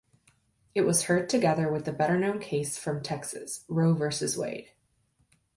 It was heard together with the better known case from Texas, Roe versus Wade.